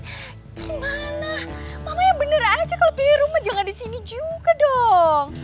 gimana mama yang bener aja kalau pilih rumah jangan di sini juga dong